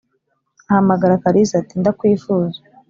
ahamagara kalisa ati"ndakwifuza